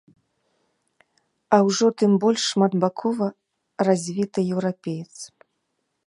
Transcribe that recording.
А ўжо тым больш шматбакова развіты еўрапеец!